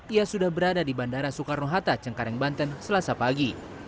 ia sudah berada di bandara soekarno hatta cengkareng banten selasa pagi